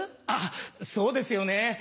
あっそうですよね